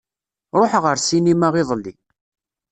Ruḥeɣ ar ssinima iḍelli.